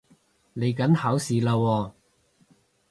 嚟緊考試喇喎